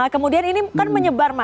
kemudian ini kan menyebar